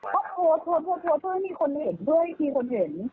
เพราะโพสต์มีคนเห็นด้วยมีคนเห็น